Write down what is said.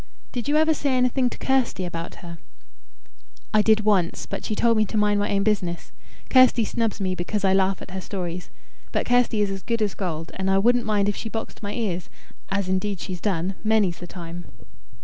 "Did you ever say anything to Kirsty about her?" "I did once; but she told me to mind my own business. Kirsty snubs me because I laugh at her stories. But Kirsty is as good as gold, and I wouldn't mind if she boxed my ears as indeed she's done many's the time."